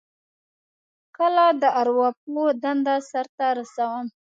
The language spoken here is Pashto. کله د ارواپوه دنده سرته رسوم.